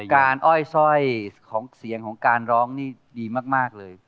อ้อยสร้อยของเสียงของการร้องนี่ดีมากเลย